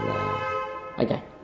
là anh ạ